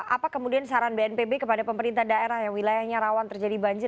apa kemudian saran bnpb kepada pemerintah daerah yang wilayahnya rawan terjadi banjir